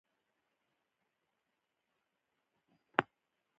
دا ټول شیان د خدای په اراده پورې اړه لري.